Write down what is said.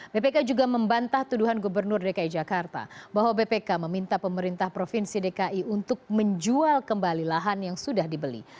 bpk juga membantah tuduhan gubernur dki jakarta bahwa bpk meminta pemerintah provinsi dki untuk menjual kembali lahan yang sudah dibeli